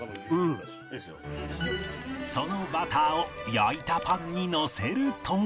そのバターを焼いたパンにのせると